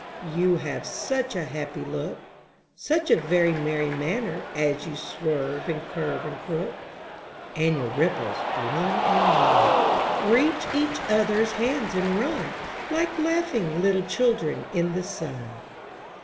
You have such a happy look — Such a very merry manner, as you swerve and curve and crook — And your ripples, one and one. Reach each other's hands and run Like laughing little children in the sun